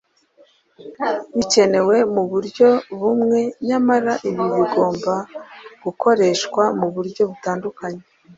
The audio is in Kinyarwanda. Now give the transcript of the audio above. bikenewe mu buryo bumwe; nyamara ibi bigomba gukoreshwa mu buryo butandukanye.